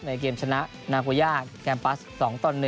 ในเกมชนะนาโกย่าแคมปัส๒๑